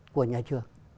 của nhà trường